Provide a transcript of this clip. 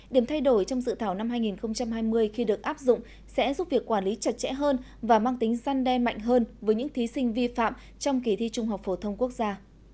điểm thay đổi trong dự thảo năm hai nghìn hai mươi khi được áp dụng sẽ giúp việc quản lý chặt chẽ hơn và mang tính gian đe mạnh hơn với những thí sinh vi phạm trong kỳ thi trung học phổ thông quốc gia